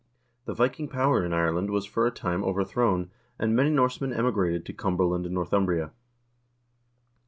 The Viking power in Ireland was for a time overthrown, and many Norsemen emigrated to Cumberland and Northumbria.